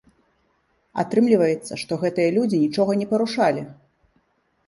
Атрымліваецца, што гэтыя людзі нічога не парушалі!